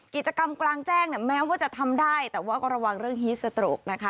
กิจกรรมกลางแจ้งเนี่ยแม้ว่าจะทำได้แต่ว่าก็ระวังเรื่องฮีสโตรกนะคะ